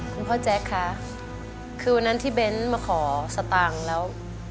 คุณพ่อแจ๊คคะคือวันนั้นที่เบนซ์มาขอสตรังแล้ว